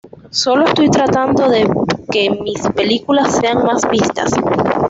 Solo estoy tratando de que mis películas sean más vistas.